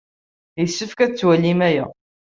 Yessefk ad twalim aya.